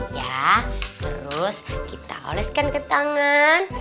ya terus kita oleskan ke tangan